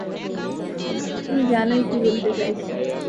তুমি জানোই কী বলতে চাইছি।